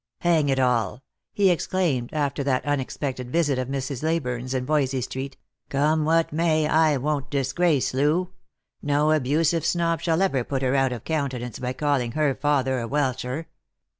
" Hang it all !" he exclaimed, after that unexpected visit of Mrs. Leyburne's in Yoysey street, •' come what may, I won't disgrace Loo ; no abusive snob shall ever put her out of coun tenance by calling her father a welsher.